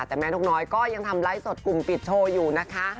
แต่แม่นกน้อยก็ยังทำไลฟ์สดกลุ่มปิดโชว์อยู่นะคะ